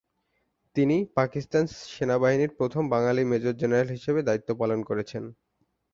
তিনি পাকিস্তান সেনাবাহিনীর প্রথম বাঙালি মেজর জেনারেল হিসেবে দায়িত্ব পালন করেছেন।